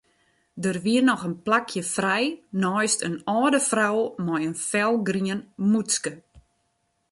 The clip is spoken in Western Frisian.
Der wie noch in plakje frij neist in âlde frou mei in felgrien mûtske.